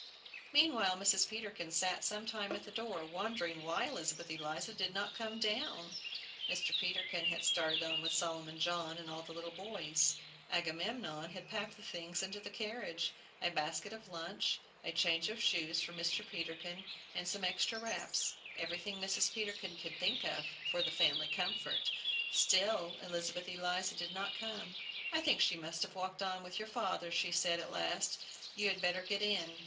Meanwhile, Mrs. Peterkin sat some time at the door, wondering why Elizabeth Eliza did not come down. Mr. Peterkin had started on with Solomon John and all the little boys. Agamemnon had packed the things into the carriage, a basket of lunch, a change of shoes for Mr. Peterkin, some extra wraps, everything Mrs. Peterkin could think of, for the family comfort. Still Elizabeth Eliza did not come. "I think she must have walked on with your father," she said, at last; "you had better get in."